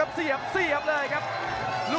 คุณบทน้อยเปลี่ยนเข้ามาคุณบทน้อยวางซ้ายแล้วเจอข่าวซ้ายเสียบ